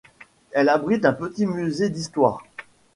Elle abrite un petit musée d'histoire.